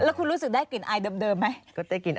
แล้วคุณรู้สึกได้กลิ่นอายเดิมไหม